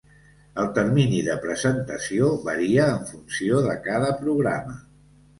El termini de presentació varia en funció de cada programa.